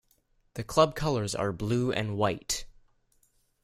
The club colours are blue and white.